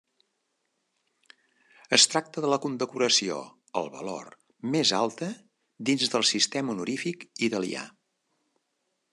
Es tracta de la condecoració al valor més alta dins del sistema honorífic italià.